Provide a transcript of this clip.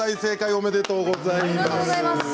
ありがとうございます。